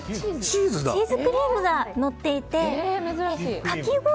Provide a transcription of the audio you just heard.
チーズクリームがのっていてかき氷